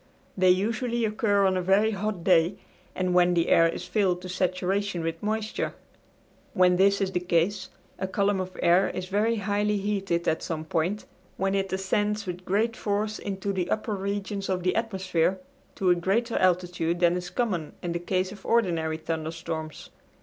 They usually occur on a very hot day, and when the air is filled to saturation with moisture. When this is the case a column of air is very highly heated at some point, when it ascends with great force into the upper regions of the atmosphere to a greater altitude than is common in the case of ordinary thunderstorms.